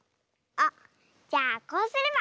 あっじゃあこうすれば？